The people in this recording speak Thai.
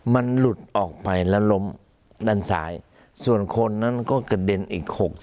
มันหลุดออกไปละล่มดันสายส่วนคนนั้นก็กระด่นอีก